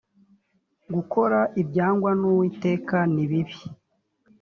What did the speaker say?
gukora ibyangwa n uwiteka nibibi